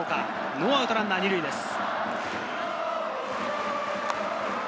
ノーアウトランナー２塁です。